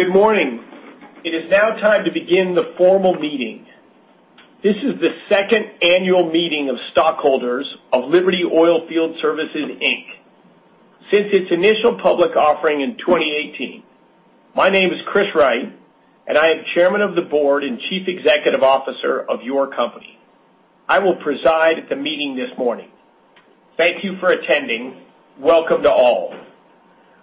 Good morning. It is now time to begin the formal meeting. This is the second annual meeting of stockholders of Liberty Oilfield Services, Inc, since its initial public offering in 2018. My name is Chris Wright, and I am Chairman of the Board and Chief Executive Officer of your company. I will preside at the meeting this morning. Thank you for attending. Welcome to all.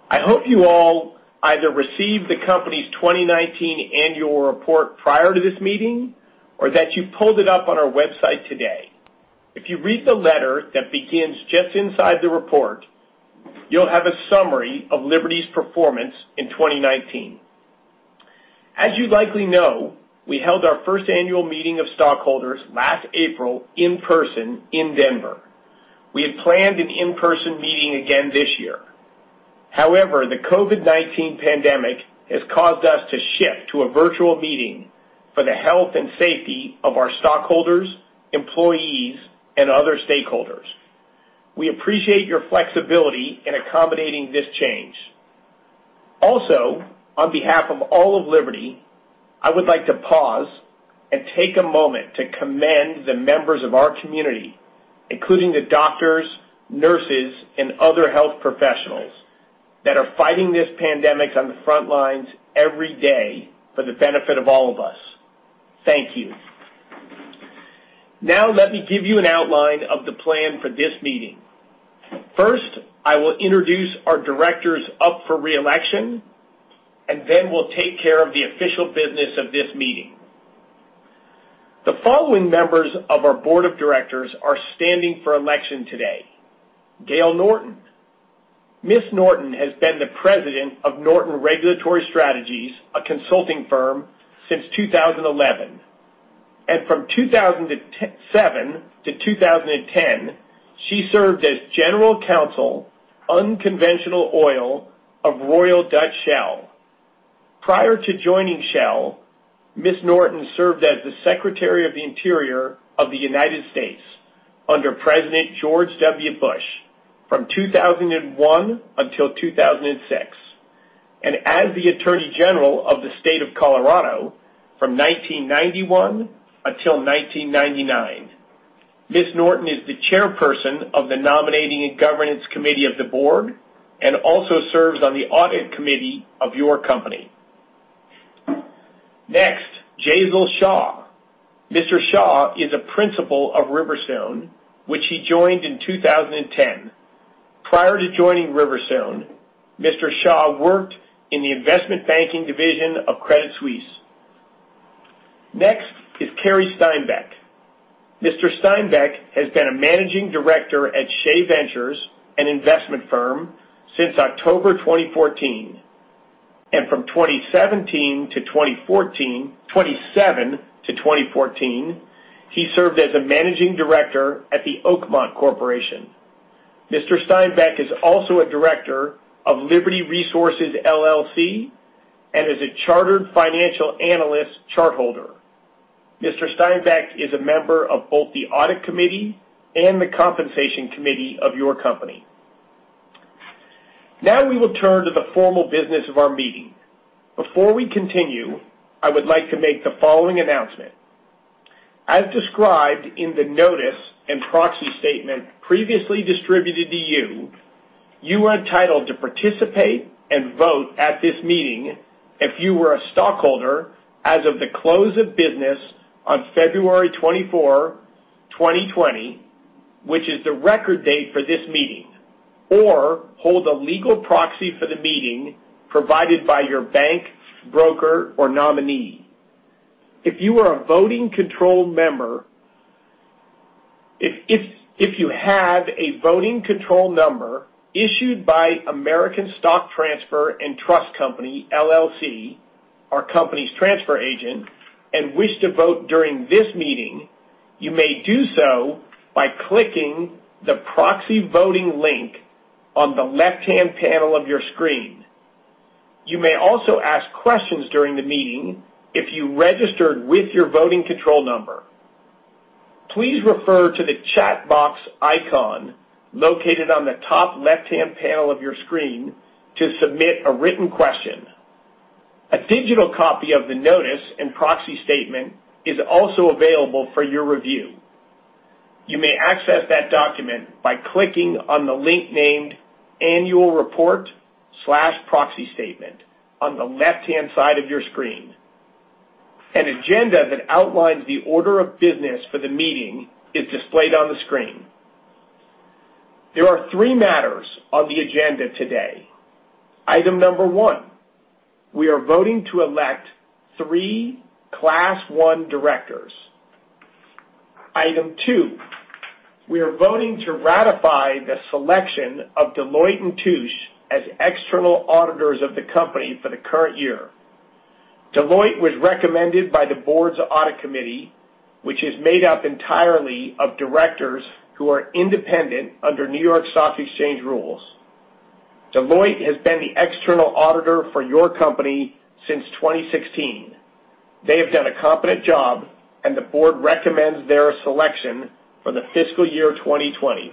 I hope you all either received the company's 2019 annual report prior to this meeting, or that you pulled it up on our website today. If you read the letter that begins just inside the report, you'll have a summary of Liberty's performance in 2019. As you likely know, we held our first annual meeting of stockholders last April in person in Denver. We had planned an in-person meeting again this year. However, the COVID-19 pandemic has caused us to shift to a virtual meeting for the health and safety of our stockholders, employees, and other stakeholders. We appreciate your flexibility in accommodating this change. Also, on behalf of all of Liberty, I would like to pause and take a moment to commend the members of our community, including the doctors, nurses, and other health professionals that are fighting this pandemic on the front lines every day for the benefit of all of us. Thank you. Now let me give you an outline of the plan for this meeting. First, I will introduce our directors up for re-election, and then we'll take care of the official business of this meeting. The following members of our board of directors are standing for election today. Gale Norton. Ms. Norton has been the president of Norton Regulatory Strategies, a consulting firm, since 2011. From 2007 to 2010, she served as general counsel, unconventional oil of Royal Dutch Shell. Prior to joining Shell, Ms. Norton served as the Secretary of the Interior of the United States under President George W. Bush from 2001 until 2006, and as the Attorney General of the State of Colorado from 1991 until 1999. Ms. Norton is the chairperson of the Nominating and Governance Committee of the Board and also serves on the Audit Committee of your company. Next, Jesal Shah. Mr. Shah is a principal of Riverstone, which he joined in 2010. Prior to joining Riverstone, Mr. Shah worked in the investment banking division of Credit Suisse. Next is Cary Steinbeck. Mr. Steinbeck has been a managing director at Shea Ventures, an investment firm, since October 2014. From 2007 to 2014, he served as a managing director at the Oakmont Corporation. Mr. Steinbeck is also a director of Liberty Resources LLC, and is a Chartered Financial Analyst charterholder. Mr. Steinbeck is a member of both the Audit Committee and the Compensation Committee of your company. Now we will turn to the formal business of our meeting. Before we continue, I would like to make the following announcement. As described in the notice and proxy statement previously distributed to you are entitled to participate and vote at this meeting if you were a stockholder as of the close of business on February 24, 2020, which is the record date for this meeting, or hold a legal proxy for the meeting provided by your bank, broker, or nominee. If you have a voting control number issued by American Stock Transfer & Trust Company, LLC, our company's transfer agent, and wish to vote during this meeting, you may do so by clicking the proxy voting link on the left-hand panel of your screen. You may also ask questions during the meeting if you registered with your voting control number. Please refer to the chat box icon located on the top left-hand panel of your screen to submit a written question. A digital copy of the notice and proxy statement is also available for your review. You may access that document by clicking on the link named "Annual Report/Proxy Statement" on the left-hand side of your screen. An agenda that outlines the order of business for the meeting is displayed on the screen. There are three matters on the agenda today. Item number one, we are voting to elect three Class I directors. Item two, we are voting to ratify the selection of Deloitte & Touche as external auditors of the company for the current year. Deloitte was recommended by the board's Audit Committee, which is made up entirely of directors who are independent under New York Stock Exchange rules. Deloitte has been the external auditor for your company since 2016. They have done a competent job, and the board recommends their selection for the fiscal year 2020.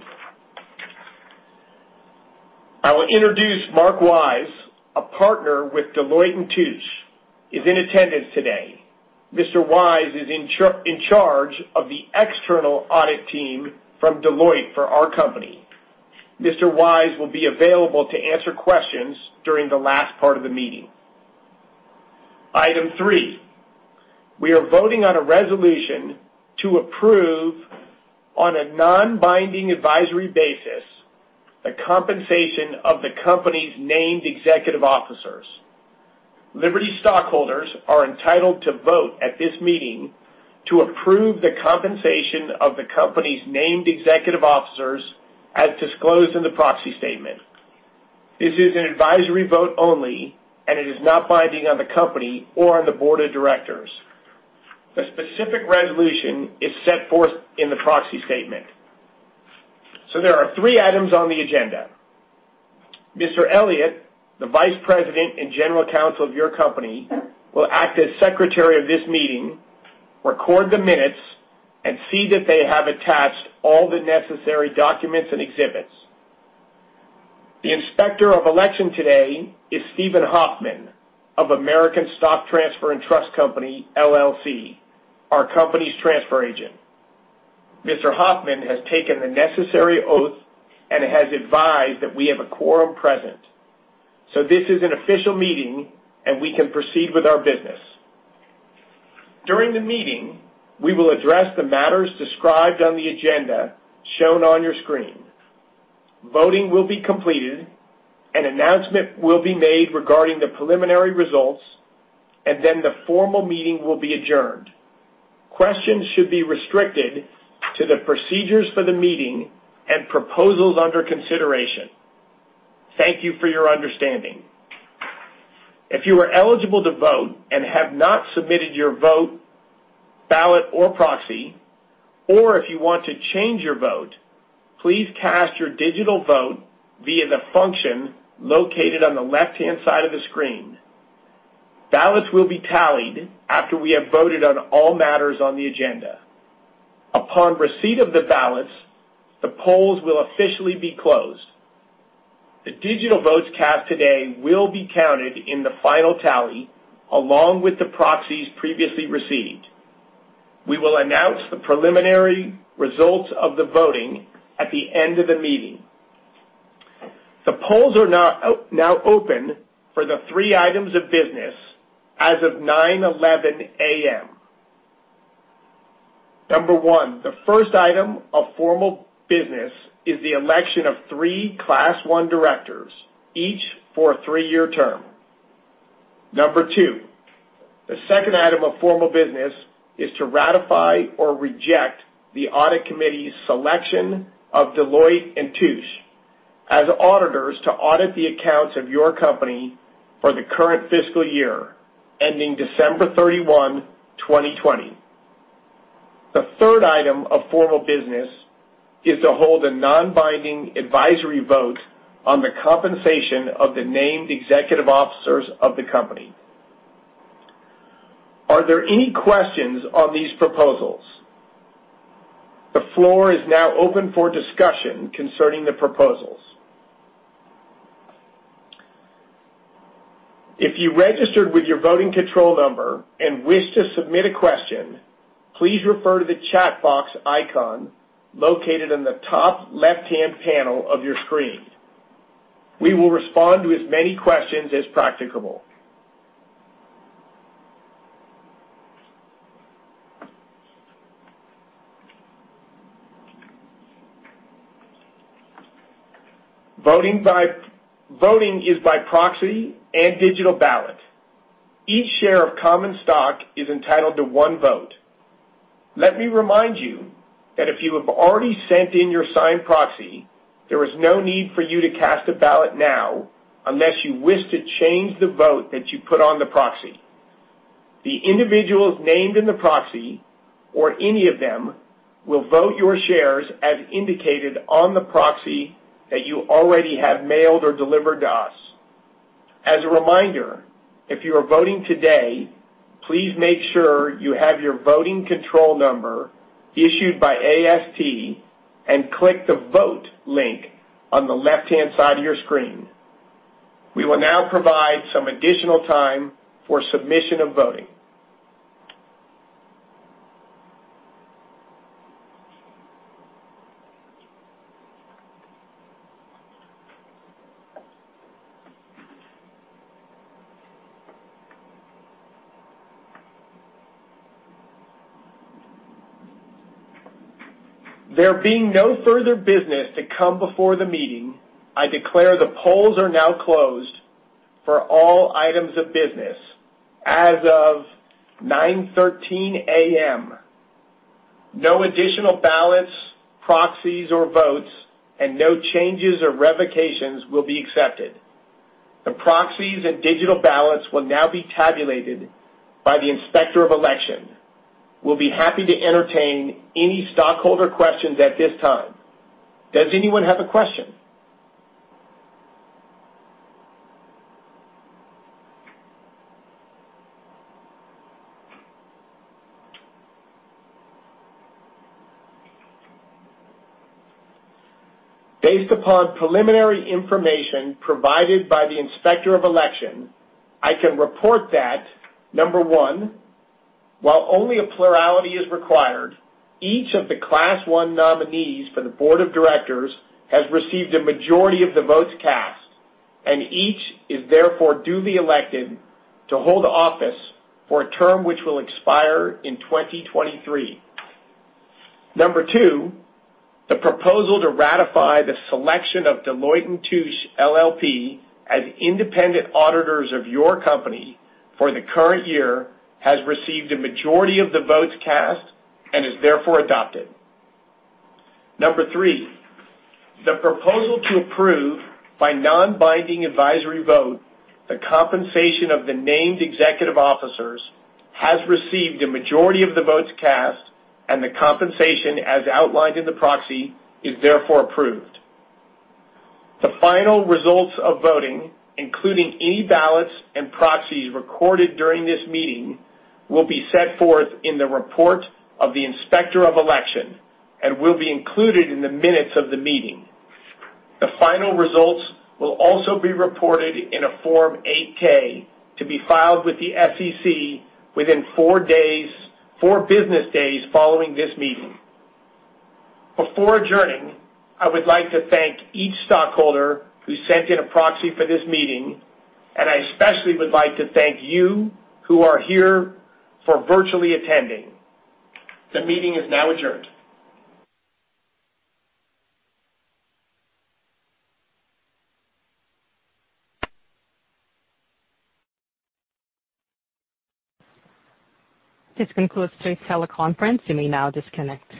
I will introduce Mark Wise, a partner with Deloitte & Touche, is in attendance today. Mr. Wise is in charge of the external audit team from Deloitte for our company. Mr. Wise will be available to answer questions during the last part of the meeting. Item three, we are voting on a resolution to approve on a non-binding advisory basis the compensation of the company's named executive officers. Liberty stockholders are entitled to vote at this meeting to approve the compensation of the company's named executive officers as disclosed in the proxy statement. This is an advisory vote only. It is not binding on the company or on the Board of Directors. The specific resolution is set forth in the proxy statement. There are three items on the agenda. Mr. Elliott, the Vice President and General Counsel of your company, will act as secretary of this meeting, record the minutes, and see that they have attached all the necessary documents and exhibits. The inspector of election today is Steven Hoffman of American Stock Transfer & Trust Company, LLC, our company's transfer agent. Mr. Hoffman has taken the necessary oath and has advised that we have a quorum present. This is an official meeting, and we can proceed with our business. During the meeting, we will address the matters described on the agenda shown on your screen. Voting will be completed, an announcement will be made regarding the preliminary results, the formal meeting will be adjourned. Questions should be restricted to the procedures for the meeting and proposals under consideration. Thank you for your understanding. If you are eligible to vote and have not submitted your vote, ballot, or proxy, or if you want to change your vote, please cast your digital vote via the function located on the left-hand side of the screen. Ballots will be tallied after we have voted on all matters on the agenda. Upon receipt of the ballots, the polls will officially be closed. The digital votes cast today will be counted in the final tally, along with the proxies previously received. We will announce the preliminary results of the voting at the end of the meeting. The polls are now open for the three items of business as of 9:11 A.M. Number one, the first item of formal business is the election of three Class I directors, each for a three-year term. Number two, the second item of formal business is to ratify or reject the Audit Committee's selection of Deloitte & Touche as auditors to audit the accounts of your company for the current fiscal year ending December 31, 2020. The third item of formal business is to hold a non-binding advisory vote on the compensation of the named executive officers of the company. Are there any questions on these proposals? The floor is now open for discussion concerning the proposals. If you registered with your voting control number and wish to submit a question, please refer to the chat box icon located in the top left-hand panel of your screen. We will respond to as many questions as practicable. Voting is by proxy and digital ballot. Each share of common stock is entitled to one vote. Let me remind you that if you have already sent in your signed proxy, there is no need for you to cast a ballot now unless you wish to change the vote that you put on the proxy. The individuals named in the proxy or any of them will vote your shares as indicated on the proxy that you already have mailed or delivered to us. As a reminder, if you are voting today, please make sure you have your voting control number issued by AST and click the vote link on the left-hand side of your screen. We will now provide some additional time for submission of voting. There being no further business to come before the meeting, I declare the polls are now closed for all items of business as of 9:13 A.M. No additional ballots, proxies, or votes, and no changes or revocations will be accepted. The proxies and digital ballots will now be tabulated by the inspector of election. We'll be happy to entertain any stockholder questions at this time. Does anyone have a question? Based upon preliminary information provided by the Inspector of Election, I can report that, number one, while only a plurality is required, each of the Class I nominees for the board of directors has received a majority of the votes cast, and each is therefore duly elected to hold office for a term which will expire in 2023. Number two, the proposal to ratify the selection of Deloitte & Touche LLP as independent auditors of your company for the current year has received a majority of the votes cast and is therefore adopted. Number three, the proposal to approve by non-binding advisory vote the compensation of the named executive officers has received a majority of the votes cast and the compensation as outlined in the proxy is therefore approved. The final results of voting, including any ballots and proxies recorded during this meeting, will be set forth in the report of the Inspector of Election and will be included in the minutes of the meeting. The final results will also be reported in a Form 8-K to be filed with the SEC within four business days following this meeting. Before adjourning, I would like to thank each stockholder who sent in a proxy for this meeting, and I especially would like to thank you who are here for virtually attending. The meeting is now adjourned. This concludes today's teleconference. You may now disconnect.